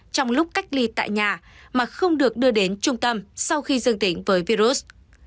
trong lúc cách ly tại nhà mà không được đưa đến trung tâm sau khi dương tính với virus